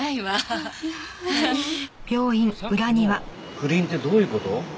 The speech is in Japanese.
さっきの不倫ってどういう事？